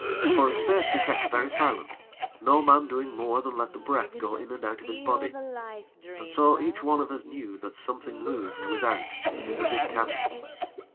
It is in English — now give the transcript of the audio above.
For a space we kept very silent, no man doing more than let the breath go in and out of his body, and so each one of us knew that something moved without, in the big cabin.